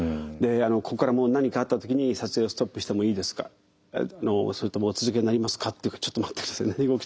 でここからもう何かあった時に撮影をストップしてもいいですかそれともお続けになりますかってちょっと待って下さい。